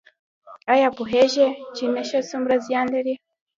ایا پوهیږئ چې نشه څومره زیان لري؟